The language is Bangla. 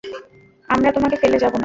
আমরা তোমাকে ফেলে যাবো না।